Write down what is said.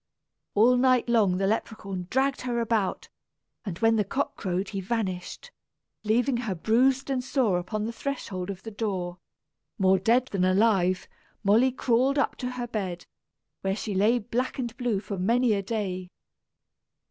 All night long the Leperhaun dragged her about; and when the cock crowed he vanished, leaving her bruised and sore upon the threshold of the door. More dead than alive, Molly crawled up to her bed, where she lay black and blue for many a day.